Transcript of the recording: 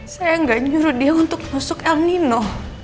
saya tidak menyuruh dia untuk masuk el nino